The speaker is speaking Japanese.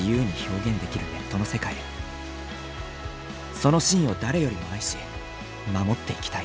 そのシーンを誰よりも愛し守っていきたい。